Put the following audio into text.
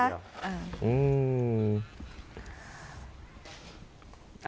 อืม